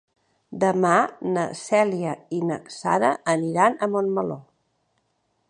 Demà na Cèlia i na Sara aniran a Montmeló.